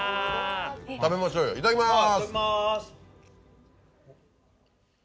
食べましょうよいただきます。